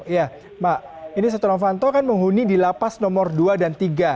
ya mak ini setonavanto kan menghuni di lapas nomor dua dan tiga